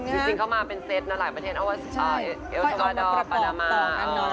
พี่เค้ามันเป็นเซตละหลายประเทศเอียด฾าอยดองขเค้าน้ำ